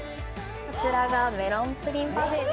こちらがメロンプリンパフェです。